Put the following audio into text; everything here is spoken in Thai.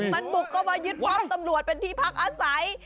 มันบุกเข้ามายึดปั๊มตำรวจเป็นที่พักอาศัย